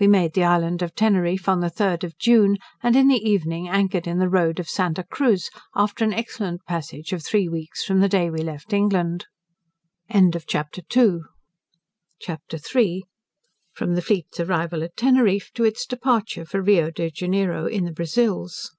We made the island of Teneriffe on the 3d of June, and in the evening anchored in the road of Santa Cruz, after an excellent passage of three weeks from the day we left England. CHAPTER III. From the Fleet's Arrival at Teneriffe, to its Departure for Rio de Janeiro, in the Brazils.